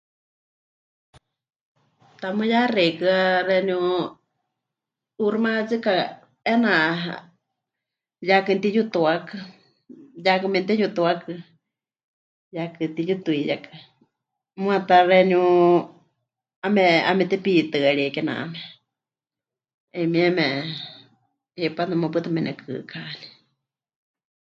Tamɨ́ ya xeikɨ́a xeeníu 'uuximayátsika 'eena yaakɨ mɨtiyutuakɨ, yaakɨ memɨteyutuakɨ, yaakɨ mɨtiyutuiyakɨ, muuwa ta xeeníu 'eme... 'emetepitɨarie kename, ‘ayumieme hipátɨ muuwa pɨta menekɨkáni.